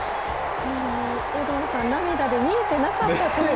有働さん涙で見えてなかったと思う。